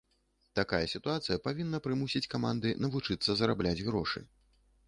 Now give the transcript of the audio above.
Такая сітуацыя павінна прымусіць каманды навучыцца зарабляць грошы.